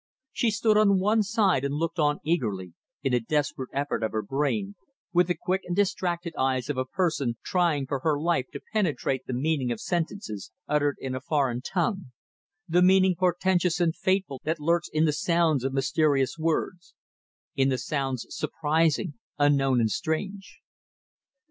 She stood on one side and looked on eagerly, in a desperate effort of her brain, with the quick and distracted eyes of a person trying for her life to penetrate the meaning of sentences uttered in a foreign tongue: the meaning portentous and fateful that lurks in the sounds of mysterious words; in the sounds surprising, unknown and strange.